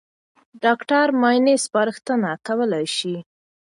ډاکټر معاینه سپارښتنه کولای شي.